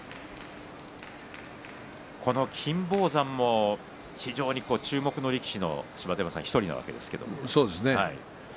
この金峰山も非常に注目の力士の１人ですけれども。